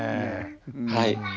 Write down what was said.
はい。